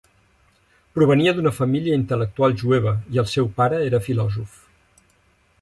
Provenia d'una família intel·lectual jueva, i el seu pare era filòsof.